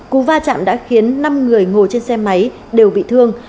cú va chạm đã khiến năm người ngồi trên xe máy đều bị thương